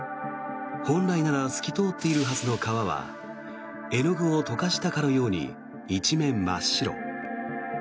本来なら透き通っているはずの川は絵の具を溶かしたかのように一面真っ白。